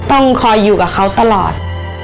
ต้องคอยอยู่กับเขาตลอด